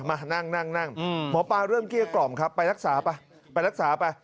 มานั่งนั่งหมอปลาเริ่มเกลี้ยกล่อมครับไปรักษาไปไปรักษาไป